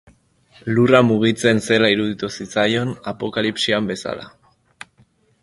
Lurra mugitzen zela iruditu zitzaion, apokalipsian bezala.